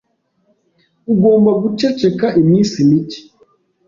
Ugomba guceceka iminsi mike.